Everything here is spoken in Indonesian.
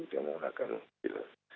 dia menggunakan mobil